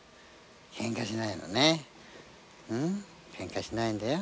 ケンカしないんだよ。